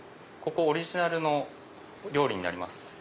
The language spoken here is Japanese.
ここオリジナルの料理になります。